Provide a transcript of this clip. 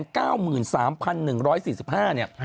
นะฮะ